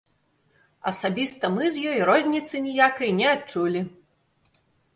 Асабіста мы з ёй розніцы ніякай не адчулі.